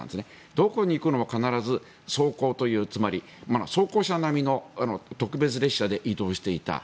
どこに行くにも必ず装甲つまり装甲車並みの特別列車で移動していた。